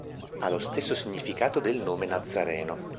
Ha lo stesso significato del nome Nazzareno.